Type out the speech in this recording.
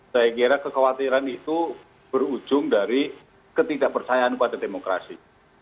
saya kira kekhawatiran itu berujung dari ketidakpercayaan pada demokrasi